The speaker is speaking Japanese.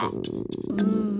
うん。